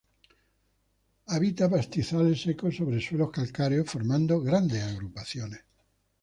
Habita pastizales secos sobre suelos calcáreos formando grandes agrupaciones.